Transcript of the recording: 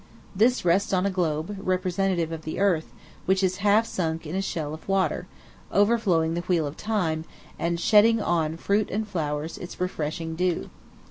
This rests on a globe, representative of the earth, which is half sunk in a shell of water, overflowing the wheel of time, and shedding on fruit and flowers its refreshing dew.